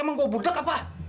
emang gue budak apa